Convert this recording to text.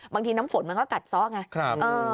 บางทีน้ำฝนมันก็กัดซ่อไง